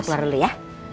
udah keluar dulu ya